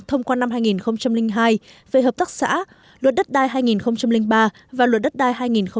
thông qua năm hai nghìn hai về hợp tác xã luật đất đai hai nghìn ba và luật đất đai hai nghìn một mươi bốn